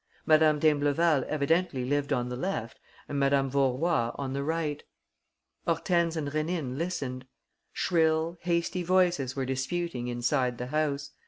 Madame d'Imbleval evidently lived on the left and Madame Vaurois on the right. Hortense and Rénine listened. Shrill, hasty voices were disputing inside the house.